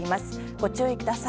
ご注意ください。